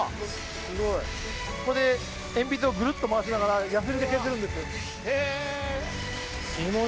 ここで鉛筆をグルッと回しながらやすりで削るんです。